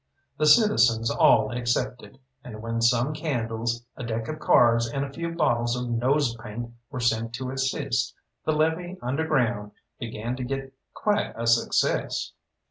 The citizens all accepted, and when some candles, a deck of cards, and a few bottles of nose paint were sent to assist, the levée underground began to get quite a success.